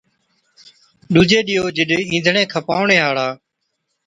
ڏُوجي ڏِيئو جِڏ اِينڌڻي کپاوَڻي هاڙا